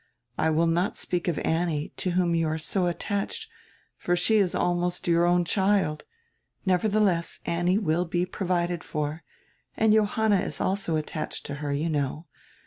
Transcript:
I will not speak of Annie, to whom you are so attached, for she is almost your own child; nevertheless Annie will be provided for, and Johanna is also attached to her, you know.